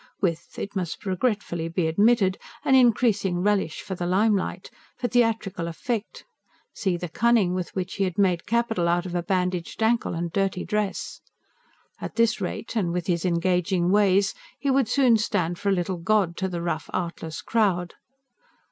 With, it must regretfully be admitted, an increasing relish for the limelight, for theatrical effect see the cunning with which he had made capital out of a bandaged ankle and dirty dress! At this rate, and with his engaging ways, he would soon stand for a little god to the rough, artless crowd.